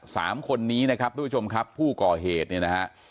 สามคนนี้นะครับทุกผู้ชมครับผู้ก่อเหตุเนี่ยนะฮะ